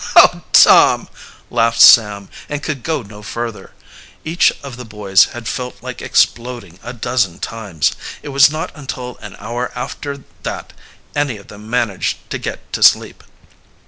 "Oh, Tom!" laughed Sam, and could go no further. Each of the boys had felt like exploding a dozen times. It was not until an hour after that any of them managed to get to sleep.